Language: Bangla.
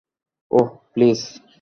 Oh, please.